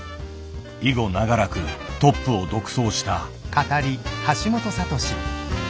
以後長らくトップを独走した。